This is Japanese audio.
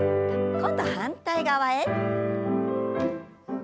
今度反対側へ。